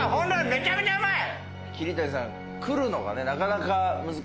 めちゃめちゃうまい！